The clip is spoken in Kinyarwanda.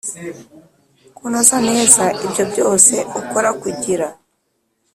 Kunoza neza ibyobyose ukora kugira